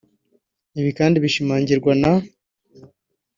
ibi kandi bishimangirwa na